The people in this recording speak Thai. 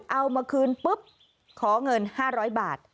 เอามาคืนปุ๊บขอเงิน๕๐๐บาท